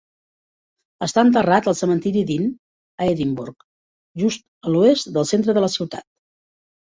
Està enterrat al cementiri Dean a Edimburg, just a l'oest del centre de la ciutat.